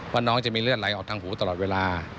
ว่าน้องจะมีเลือดไหลออกทางหูตลอดเวลา